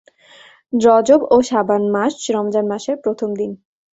রজব ও শাবান মাস রমজান মাসের প্রথম দিন।